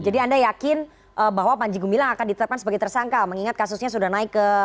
jadi anda yakin bahwa panji gumila akan ditetapkan sebagai tersangka mengingat kasusnya sudah naik ke